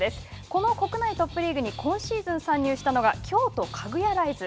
この国内トップリーグに今シーズン参入したのが京都カグヤライズ。